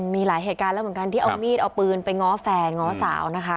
มีหลายเหตุการณ์แล้วเหมือนกันที่เอามีดเอาปืนไปง้อแฟนง้อสาวนะคะ